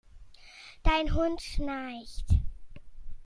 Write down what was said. Dein Hund schnarcht!